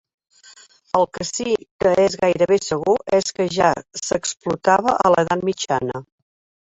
El que sí que és gairebé segur és que ja s'explotava a l'Edat Mitjana.